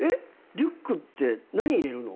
リュックって何入れるの？